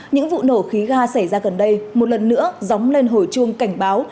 những vụ nổ khí ga xảy ra gần đây một lần nữa dóng lên hồi chuông cảnh báo